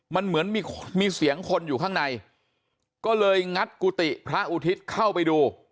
มันเหมือนมีเสียงคนอยู่ข้างในก็เลยงัดกุฏิพระอุทิศเข้าไปดู